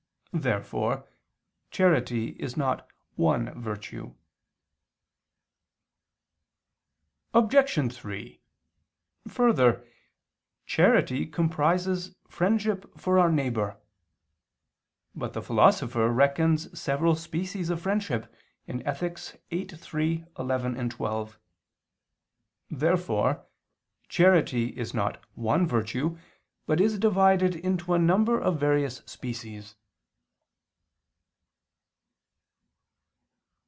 Therefore charity is not one virtue. Obj. 3: Further, charity comprises friendship for our neighbor. But the Philosopher reckons several species of friendship (Ethic. viii, 3, 11, 12). Therefore charity is not one virtue, but is divided into a number of various species.